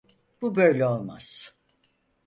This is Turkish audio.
Bu böyle olmaz.